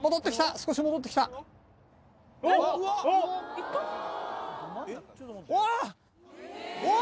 少し戻ってきたおわーっ